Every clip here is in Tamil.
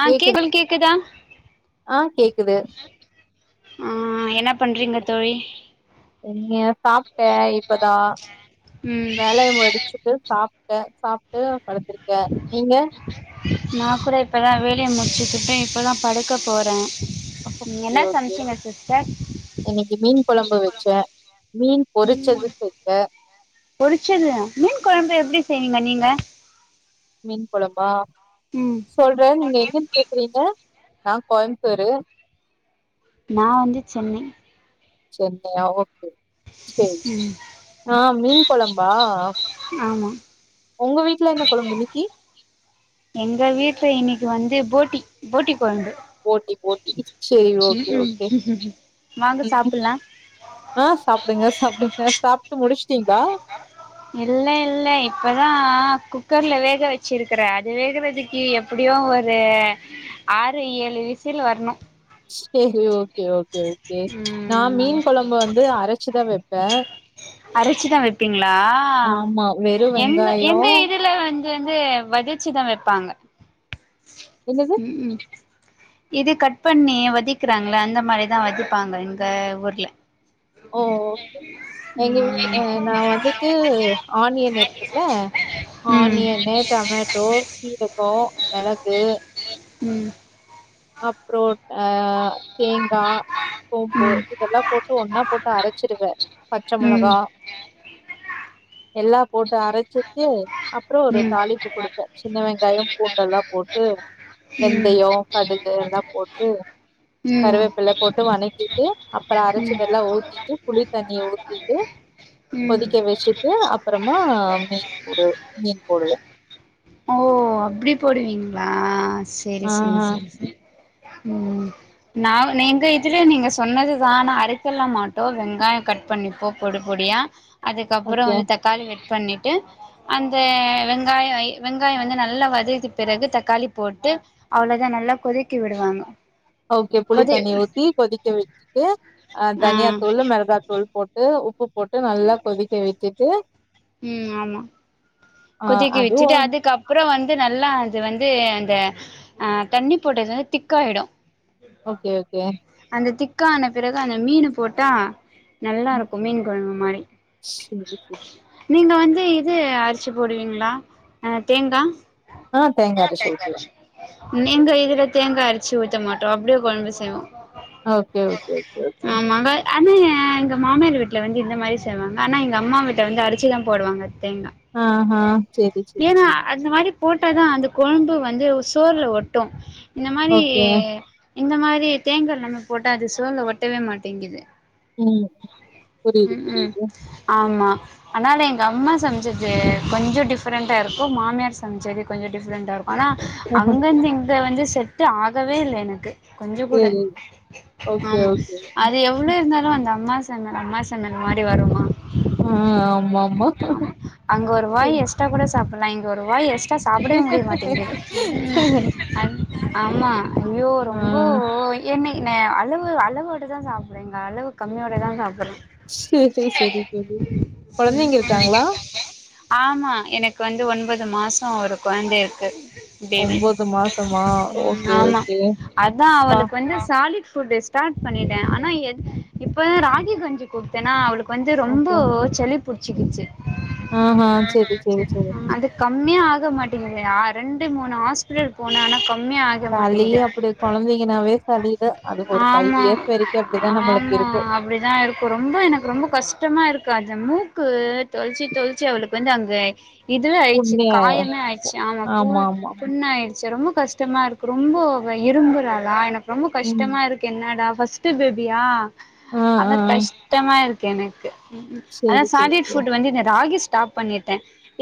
ஆ கேக்கு கேக்குது உங்களுக் கேக்குதா ஆ கேக்குது ஆ என்ன பண்றீங்க தோழி எங்க சாப்ட்டே இப்பதா ம் வேலய முடிச் சிட்டு சாப்ட்டே சாப்டுட்டு படுத்துருக்கே நீங்க நா கூட இப்பதா வேலய முடிச்சுக்கிட்டு இப்பதா படுக்க போறே நீங்க என்ன சமைச்சிங்க சிஸ்டர் இன்னக்கி மீன் கொழம்பு வச்சே மீன் பொறிச்சது செஞ்சே பொறிச்சதா மீன் கொழம்பு எப்டி செய்வீங்க நீங்க மீன் கொழம்பா ம் சொல்றே நீங்க எங்க இருந்து பேசுறீங்க நா கோயம்த்தூரு நா வந்து சென்னை சென்னையா ஓகே சேரி ம் ஆ மீன் கொழம்பா ஆமா ஒங்க வீட்ல என்ன கொழம்பு இன்னக்கி எங்க வீட்ல இன்னக்கி வந்து போட்டி போட்டி கொழம்பு போட்டி போட்டி செரி ம் ஓகே ஓகே ம் வாங்க ம் சாப்புட்லா ஆ சாப்டுங்க சாப்டுங்க சாப்ட்டு முடிச்சிட்டீங்களா இல்ல இல்ல இப்பதா குக்கர்ல வேக வச்சிருக்கிறே அது வேகுறதுக்கு எப் எப்படியு ஒரு ஆறு ஏழு விசில் வரனு சேரி ஓகே ஓகே ஓகே நா மீன் கொழம்ப வந்து அரைச்சிதா வப் அரச்சி தா வப்பீங்களா ஆமா வெறு எங்க வெங்காயோ எங்க இது ல வந்து வந்து வதச்சிதா வப்பாங்க என்னது ம் ம் இது கட் பண்ணி வதக்கிறாங்கள அந்த மாரிதா வதப்பாங்க எங்க ஊர்ல ஓ ஓகே எங்க ம் வீடு நா வந்துட்டு ஆனியன் இருக்குல்ல ம் ஆனியன்னு டமேட்டோ சீரகோ மெளகு ம் அப்றோ ஆ தேங்கா சோம்பு ம் இதெல்லா போட்டு ஒன்னா போட்டு அரச்சிருவே பச்ச ம் மொளகா எல்லா போட்டு அரச்சிட்டு அப்றோ ஒரு ம் தாளிப்பு குடுப்பே சின்ன வெங்காயோ பூண்டெல்லா போட்டு வெந்தயோ கடுகு எல்லா போட்டு கருவேப்பில போட்டு வணக்கிட்டு அப்பறோ ம் அரச்சதெல்லா ஊத்தி ட்டு புளி தண்ணிய ஊத்தீட்டு ம் ம் கொதிக்க வச்சு ட்டு அப்புறமா மீன் போடு மீன் போடுவே ஓ அப்டி போடுவீங்களா செரி ஆ செரி செரி செரி ம் நா நீங்க இதுலே நீங்க சொன்னதுதா ஆனா அரைக்கல்லா மாட்டோ வெங்காயொ கட் பண்ணிப்போ பொடி பொடியா அதுக்கப்பறோ ஓகே வந்து தக்காளி கட் பண்ணிட்டு அந்த வெங்காயோ வெங்காயோ வந்து நல்லா வதக்கி பிறகு தக்காளி போட்டு அவ்ளதா நல்லா கொதிக்க விடுவாங்க ஓகே கொதி புளித்தண்ணி ஊத்தி கொதிக்க வச்சுட்டு ஆ தனியா தூள் மெளகா தூள் போட்டு உப் உப்பு போட்டு நல்லா கொதிக்க வச்சுட்டு ம் ஆமா கொதிக்க அதுவு வச்சுட்டு அதுக்கு அப் அப்பறோ வந்து நல்லா அது வந்து அந்த ஆ தண்ணி போட்டது வந்து திக்காயிடு ஓகே ஓகே அந்த திக்கான பிறகு அந்த மீன் போட்டா நல்லா இருக்கு மீன் கொழம்பு மாரி சேரி சேரி நீங்க வந்து இது ச்சு போடுவீங்களா அ தேங்கா ஆ தேங்கா அரச்சு ஊத்துவே நீங்க இதுல தேங்கா அரச்சு ஊத்த மாட்டோ அப்டியே கொழம்பு செய்வோ ஓகே ஓகே ஓகே ஓகே ஆமா வெ ஆனா எங்க மாமியார் வீட்டுல வந்து இந்த மாரி செய்வாங்க ஆனா எங்க அம்மா வீட்டுல வந்து அரச்சுதா போடுவாங்க தேங்கா ஆஹா செரி செரி ஏன்னா செரி அந்த மாரி போட்டாதா அந்த கொழம்பு வந்து சோறுல ஒட்டு இந்த மாரி ஓகே இந்த மாரி தேங்கா இல்லாம போட்டா அது சோறுல ஒட்டவே மாட்டேங்குது ம் புரியுது ம் ம் புரியுது ஆமா அதனால எங்க அம்மா செமச்சது கொஞ்சொ டிஃப்ரெண்டா இருக்கு மாமியார் சமைச்சது கொஞ்சொ டிஃப்ரெண்டா இருக்கு ஆனா அங்கேருந்து இங்கே வந்து செட்டு ஆகவே இல்ல எனக்கு கொஞ்சொ கூட சேரி ஓகே ஆமா ஓகே அது எவ்ளோ இருந்தாலு அந்த அம்மா சமையல் அம்மா சமையல் மாரி வருமா ம் ஆமா ஆமா அங்க ஒரு வாய் எக்ஸ்டா கூட சாப்படலா இங்க ஒரு வாய் எக்ஸ் டா சாப்டவே முடிய மாட்டேங்து ம் அன் ஆமா ஐயோ ஆ ரொம்போ என்னைக் நா அளவு அளவோடதா சாப்புடுறங்க அளவு கம்மியோடதா சாப்டுறே செதி செரி தோழி ஆமா எனக்கு வந்து ஒன்பது மாசோ ஒரு கொழந்த இருக்கு பேபி மாசமா ம் ஓகே ஆமா ஓகே அதா பா அவளுக்கு வந்து சாலிட் புட் ஸார்ட் பண்ணிட்டே ஆனா எ இப்ப ராகி கஞ்சி குடுத்தேன்னா அவளுக்கு வந்து ரொம்போ ஓகே சளி ச்சிக்குச்சு ஆஹா செரி செரி செரி அதுக் கம்மியா ஆக மாட்டேங்குது அ ரெண்டு மூணு ஹாஸ்பிட்டல் போன ஆனா கம்மியா ஆ சளி அப்டி கொழந்தைங்கனாவே சளிதா அது ஒரு ஃபைவ் ஆமா இயர்ஸ் வரைக்கு அப்டிதா நம்மளுக்கு ஆமா இருக்கு அப்டிதா இருக்கு ரொம்ப எனக்கு ரொம்ப கஷ்டமா இருக்கு அந்த மூக் கு தொளிச்சி தொளிச்சி அவளுக்கு வந்து அங்கே இதுவே ஆயிச்சு புண்ணிய காயமே ஆயிச்சு ஆமா பூ புண்ணாயிடுச்சு ரொம்ப கஷ் கஷ்டமா இருக்கு ரொம்போ அவ இரும்புறாளா எனக்கு ரொம்போ ம் கஷ்டமாருக்கு என்னடா ஃபர்ஸ்ட்டு பேபியா ஆ ஆ அதா கஷ்டமாருக்கு எனக்கு அதா செரி செரி சாலிட் செரி ஃபுட் வந்து இந்த ராகி ஸ்டாப் பண்ணிட்டே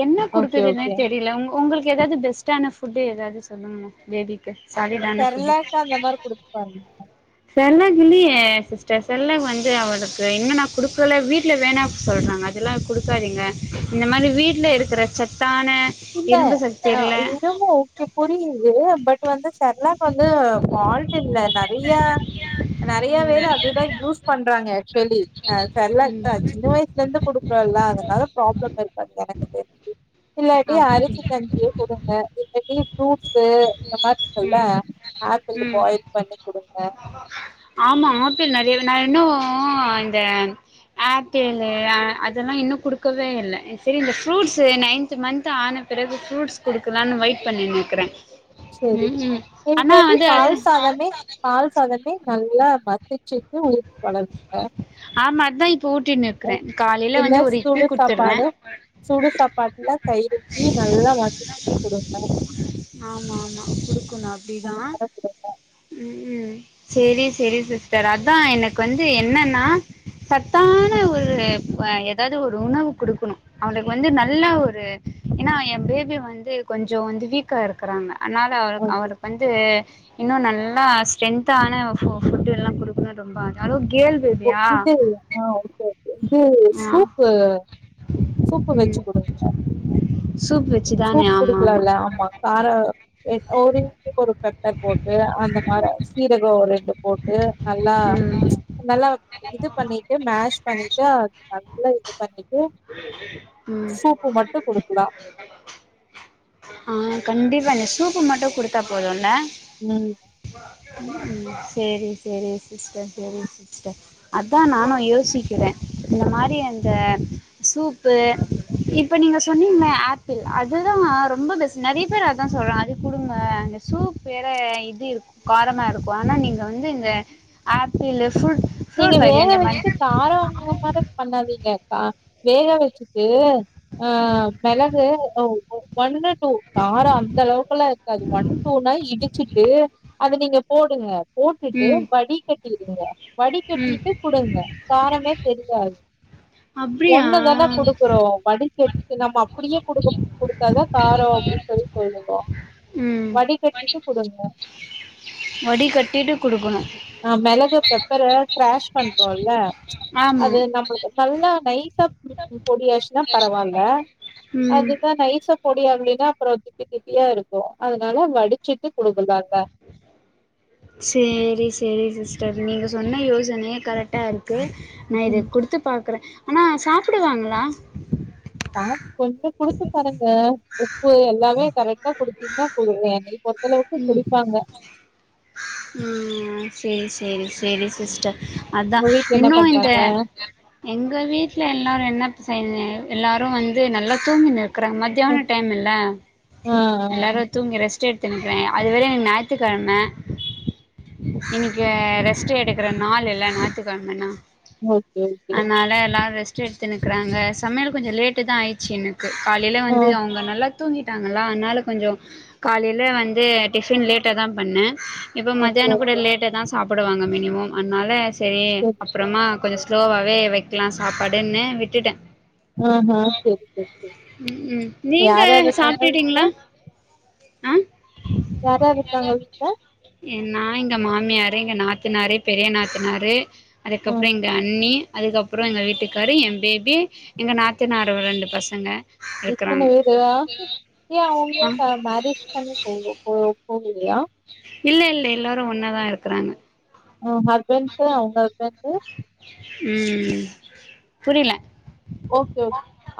என்ன ஓகே குடுக்குறதுன்னே ஓகே தெரில உங் உங்களுக்கு எதாவது பெஸ் ட்டான ஃபுட்டு எதாது சொல்லுங்களே பேபிக்கு சாலிடான ஃபுட்டு செர்லாக் அந்த மாரி குடுத்து பாருங்க செர்லக் இல்லையே சிஸ்டர் செர்லக் வந்து அவளுக்கு இன்னு நா குடுக்கவேல வீட்ல வேணா சொல்றாங்க அதெல்லா குடுக்காதீங்க இந்த மாரி வீட்ல இருக்கிற ச த்தான இரும்புசத்துல கு புரியுது பட் வந்து செர்லாக்கு வந்து ஃபால்ட் இல்ல நெறைய நெறையா பேரு அதுதா யூஸ் பண்றாங்க ஆக்சுவலி அ ம் செர்லக்தா ம் சின்ன வயசு லேந்து குடுக்குறோல்ல அதனால ப்ராப்ளம் இருக்காது எனக்கு தெரிஞ்சு இல்லாட்டி அப்டி அரிசி கஞ்சியே குடுங்க இல்லாட்டி ஃப்ரூட்ஸ் இந்த மாரிருக்குல்ல ம் ஆப்பிள் ம் பாயில் பண்ணி குடுங்க ஆமா ஆப்பிள் நெறைய நா இன்னு இந்த ஆப்பிள் அ அதெல்லா இன்னு குடுக்கவே இல்ல சரி இந்த ஃப்ரூட்ஸ் நைன்த் மன்த் ஆன பெறகு ஃப்ரூட்ஸ் குடுக்கலான்னு வெயிட் பண்ணின்னு இருக்கறே செரி இல்லாட்டி பால் சாதமே பால் சாதமே நல்லா மசிச்சிட்டு [unintelligible] ஆமா அதா இப்ப ஊட்டிட்ன்னுருக்குறே காலைல இல்ல வந்து ஒரு இட்லி சுடு குடுத்துருவே சாப்பாடு சுடு சாப்பாட்டுல தயிர் ஊத்தி நல்லா மசிச்சிட்டு குடுப்பே ஆமாமா குடுக்கணு அப்டிதா அந்த மாரி குடுங்க ம் ம் சேரி சேரி சிஸ்டர் அதா எனக்கு வந்து என்னன்னா சத்தான ம் எதாது ஒரு உணவு குடுக்கணு அவளுக்கு வந்து நல்ல ஒரு ஏன்னா எ பேபி வந்து கொஞ்சோ வந்து வீக் க்கா இருக்றாங்க ஆனால அவ ஓகே அவளுக்கு வந் து இன்னு நல்லா ஸ்ட்டென்த்தான ஃபு ஃபுட்டு எல்லா குடுக்கணு ரொம்ப ஆச அது கேர்ள் பேபியா [inaudible] இது ஆ சூப்பு சூப்பு வச்சி ம் குடுங்க சூப் வச்சுதானே சூப் ஆமா குடுக்லால ஆமா காரோ லைக் ஒரே ஒரு பெப்பர் போட்டு அந்த மாரி சீரகோ ஒரு ரெண்டு போட்டு நல்லா ம் நல்லா இது பண்ணிட்டு மேஷ் பண்ணிட்டு நல்லா இது பண்ணி ட்டு ம் சூப்பு மட்டு குடுக்லா ஆ கண்டிப்பா இ சூப்பு மட்டு குடுத்தா போதுல்ல ம் ம் சேரி சேரி சிஸ்டர் சேரி சிஸ்டர் அதா நானு யோசிக்கிறே இந்த மாரி அந்த சூப்பு இப்ப நீங்க சொன்னீங்ல ஆப்பிள் அதுதா ரொம்ப பெஸ்ட் நறைய பேரு அதா சொல்றாங்க அது குடுங்க அந்த சூப் வேற இது இருக்கு காரமாருக்கு ஆனா நீங்க வந்து இந்த ஆப்பிளு ஃபுட் நீங்க வேக வச்சிட்டு காரோ [inaudible] மாரி பண்ணாதீங்க க வேக வச்சிட்டு ஆ மெளகு ஒன்னு காரோ அந்தளவுக்குல்லா இருக்காது ஒன் டூனா இடிச்சுட்டு அது நீங்க போடுங்க போட்டுட்டு ம் வடிகட்டிடுங்க வடி ம் கட்டிட்டு குடுங்க காரமே தெரியாது அப்டியா ஒண்ணு தானே குடுக்குறோ வடிக்கட்டி நம்ம அப்டியே குடுக்க குடுத்தாதா காரோ அப்டின் சொல்லி சொல்லுவோ ம் வடிகட்டி ட்டு குடுங்க வடிகட்டிட்டு குடுக்கணு ஆ மெளகு பெப்பர க்ராஷ் பண்றோல்ல ஆமா அது நம்ளு நல்லா நைசா பொடியாச்சினா பரவால்ல ம் அதுதா நைசா பொடி ஆகலைன்னா அப்றோ திப்பி திப்பியா இருக்கு அதனால வடிச்சிட்டு குடுக்கலாங்க சேரி சேரி சிஸ்டர் நீங்க சொன்ன யோசனையே கரெக்டாருக்கு நா இத குடுத்து பாக்குறே ஆனா சாப்டுவாங்களா சாப் கொஞ்சோ குடுத்து பாருங்க உப்பு எல்லாமே கரெக்டா குடுத்தீங்கன்னா [unintelligible] பொறுத்தளவுக்கு குடிப்பாங்க ம் சேரி சேரி சேரி சிஸ்டர் அதா உங்க வீட்ல என்ன இன்னு இந்த பண்றாங்க எங்க வீட்ல எல்லோரு என்ன செய் எல்லோரு வந்து நல்லா தூங்கின்னுரு க்கறாங் மதியான டைம்மில்ல ஆ ஆ எல்லாரு தூங்கி ரெஸ்ட் எத்துனு இருக்றாங்க அது வேற இன்னக்கி ஞாய்த்துக்கெழம இன்னக்கி ரெஸ்ட்டு எடுக்கேற நாள் இல்ல ஞாய்த்துக்கழமனா ஓகே ஓகே ஆனால எல்லாரு ரெஸ்ட் எத்துனுருக்றாங்க சமையல் கொஞ்சோ லேட்டு தா ஆய்ச்சி காலையில ஆ வந்து அவுங்க நல்லா தூங்கிட்டாங்களா அதனால கொஞ்சோ காலையில வந்து டிஃபன் லேட்டா தா பண்ண இப்ப ஓகே மதியான கூட ஓகே லேட்டா தா சாப்டுவாங்க மினிமம் அதனால சரி அப்றமா கொஞ்ச சரி ஸ்லோவாவே வெக்கலா சாப்பாடுன்னு விட்டுட்ட ஆஹ‌ சேரி சேரி ம் ம் நீங்க வீட்ல சாப்டுட்டீங்ளா ஆ யார் யார் இருக்காங்க வீட்ல என்னா எங்க மாமியாரு எங்க நாத்தனாரு பெரிய நாத்தனாரு அதுக்கப்றோ ம் எங்க அண்ணி அதுக்கப்றோ எங்க வீட்டுக்காரு எ பேபி எங்க நாத்தனாரோட ரெண்டு பசங்க இத்தன இருக்கறாங்க பேரு அ ஏ ஆ அவுங்க மேரேஜ் பண்ணி போ போ போகலையா இல்ல இல்ல எல்லாரு ஒன்னாதா இருக்கறாங்க ஓ ஹஸ்பண்டு அவுங்க ஹஸ்பண்டு ம் புரில ஓகே ஓ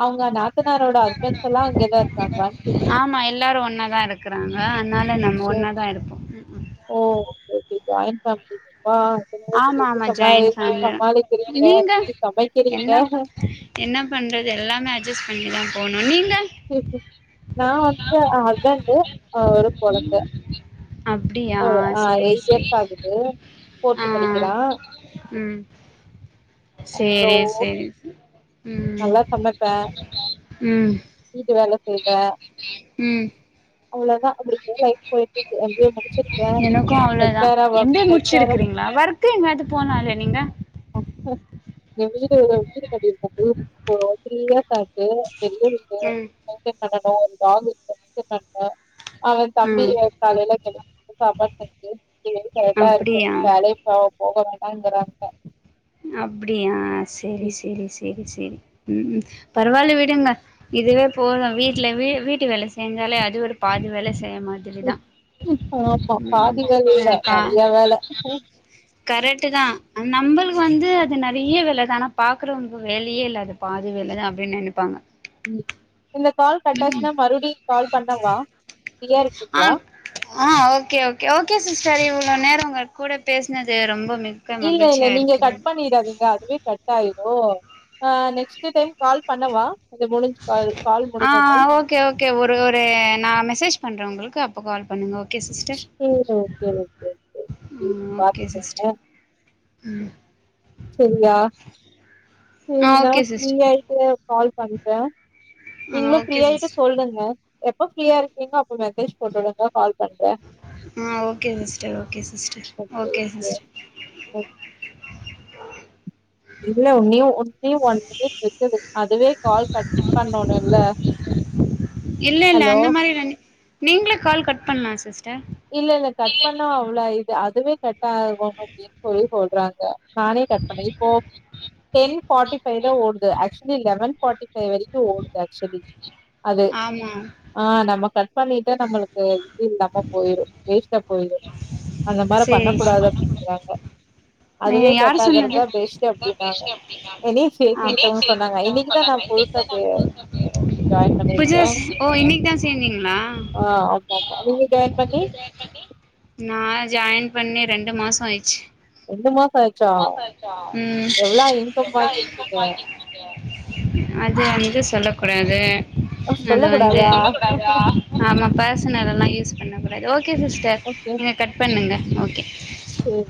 அவுங்க நாத்தனாரோட ஹஸ்பண்ட்ஸ் எல்லா இங்க தா இருக்காங்களனு கேட்ட ஆமா எல்லாரு ஒன்னா தா இருக்கறாங்க அதனால நம்ம சரி. ஒன்ன தா இருப்போ ஓ ஓகே ஓகே ஜாய்ண்டு ஃபேமலி ஆ இத்தன பேத்துக்கு ஆமா எப்டி ஆமா சமாளி ஜாயிண்ட் ஃபேமிலி சமாளிக்கிறீங்க நீங்க எப்டி சமைக்கிறீங்க என்ன பண் என்ன பண்றது எல்லாமே அட்ஜஸ்ட் பண்ணி தா போணு நீங்க சேரி சேரி நா வந்து ஹஸ்பண்டு ஒரு கொழந்த அப்டியா ஒரு அ சேரி சேரி இயர்ஸ் ஆகுது. ஆ படிக்கிறான். ம் சேரி அப்புறம் சேரி சே நல்லா சமைப்ப ம் வீட்டு வேல செய்வ ம் அவ்ளோதா அப்டியே லைஃப் போயிட்டு எனக்கு அவ்ளோதா ஆரா எம் எ ஒர்க் ஹெச் முடிச்சிருக்கிங்களா ஒர்க்கு எங்காது போலால்ல நீங்க எ வீடு வீடு கட்டிருக்காரு இப்போ தீரி இயர்ஸ் ஆச்சி பெரிய ம் [unintelligible] பண்ணனு ஒரு டாகு [unintelligible] பண்ணனு அவ தம்பி ம் காலையில கெளம் சாப்பாடு‌ செஞ்சி இதுவே கரெக்டா இருக்கு அப்டியா வேலை போ போக வேண்டாங்கிறாங்க அப்டியா சேரி சேரி சேரி சேரி ம் பரவாயில்ல விடுங்க இதுவே போது வீட்ல வி வீட்டு வேல செஞ்சாலே அது ஒரு பாதி வேல செய்ய மாட் டிகுதா ஆமா பாதி வேல இல்ல ஆ கா நெறைய வேல கரெட்டுதா அ நம்பளுக் கு வந்து அது நெறைய வேல தா ஆனா பாக்குறவங்களுக்கு வேலையே இல்ல அது பாதி வேல தா அப்டின்னு நெனைப்பாங்க ம் இந்த கால் கட்டாச்சுன்னா மறுபுடியு கால் பண்ணவா ஃப்ரீயா ஆ இருக்கீங்களா ஆ ஓகே ஓகே ஓகே சிஸ்டர் இவ்ளோ நேரோ உங்க கூட பேசுனது ரொம்ப மி இல்ல இல்ல நீங்க கட் பண்ணிடாதீங்க அதுவே கட் டாயிரு அ நெக்ஸ்ட்டு டைம் கால் பண்ணவா இது முடிஞ்சு க கால் ஆ முடிஞ்சோனே ஓகே ஓகே ஒரு ஒரு நா மெசேஜ் பண்ற உங்களுக்கு அப் போ கால் பண்ணுங்க ஓகே சிஸ்டர் சேரி ஓகே ஓகே ஓகே பேபி ம் ஓகே பாத்துக்கங்க சிஸ்டர் ம் சேரியா ஆ சேரி நா ஓகே சிஸ்டர் ஃப்ரீயாயிட்டு கால் பண்ற ஆ நீங்களு ஓகே ஃப்ரீயாயிட்டு சிஸ்டர் சொல்லுங்க எப்ப ஃப்ரீயா இருக்கீங்கோ அப்ப மெசேஜ் போட்டு உடுங்க கால் பண்ற ஆ okay sister okay sister okay sis okay. இல்ல ஒன்னுயோ ஒன்னே ஒன் மினிட் இருக்குது அதுவே கால் கட் பண்ணோணுல்ல இல்ல இல்ல அந்த மாரில நி நீங்களே கால் கட் பண்லா சிஸ்டர் இல்ல இல்ல கட் பண்ணா அவ்ளோ இது அதுவே கட் ஆகணு அப்டின்னு சொல்லி சொல்றாங்க நானே கட் பண்ணி இப்போ டென் பார்டி ஃபைவ் தா ஓடுது ஆக்சுவெலி லெவன் பார்டி வரைக்கு ஓடுது ஆக்சுவெலி அது ஆமா ஆ நம்ம கட் பண்ணிட்டா நம்மளுக்கு இது இல்லாம போயிரு வேஸ்ட்டா போய்டு அந்த மாரி பண்ண சேரி கூடாது அப்டிங்கிறாங்க அய்யோ அதுவே யாரு சொன்னது கட்டாகறதா பெஷ்டு அதா அப்டின்னாங்க பெஸ்ட் அப்டின்னாங்க எனி சேதிவிட்டோ சொன்னாங்க இன்னைக்குதா நா புதுசா பே ஜாயின் [inaudible] பண்ணிருக்கே பஜாஜ் ஓ இன்னைக் தா சேந்தீங்ளா ஆ ஆமா ஆமா நீங்க ஜாயின் பண்ணி நா ஜாயின் பண்ணி ரெண்டு மாசம் ஆயிடுச்சு ரெண்டு மாச ஆயி ரெண்டு மாசம் ஆச்சா இன்கம் எல்லாம் இப்ப வாங்கிருக்கீங்க மாரி அது வந்து சொல்ல கூடாது அது சொல்ல வந்து கூடாதா ஆமா பர்சனல் எல்லா யூஸ் பண்ண கூடாது ஓகே சிஸ்டர் நீங்க கட் பண்ணுங்க ஓகே சேர்